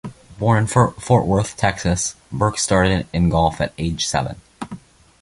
Born in Fort Worth, Texas, Burke started in golf at age seven.